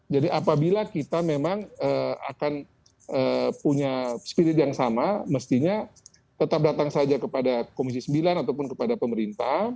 jadi apabila kita memang akan punya spirit yang sama mestinya tetap datang saja kepada komisi sembilan ataupun kepada pemerintah